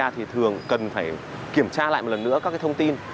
thì thường cần phải kiểm tra lại một lần nữa các thông tin